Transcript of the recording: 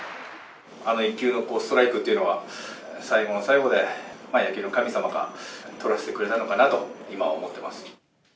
あの一球のストライクというのは、最後の最後で、野球の神様が取らせてくれたのかなと、今、思っています。